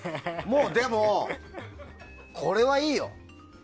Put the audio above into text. でも、これはいいよ。